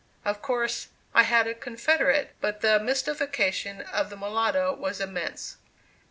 Of course, I had a confederate, but the mystification of that mulatto was immense.